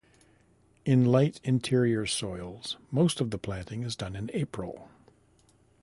In light interior soils most of the planting is done in April.